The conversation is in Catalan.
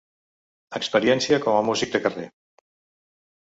Experiència com a músic de carrer.